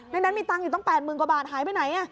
นั้นมีตังค์อยู่ตั้ง๘๐๐๐กว่าบาทหายไปไหน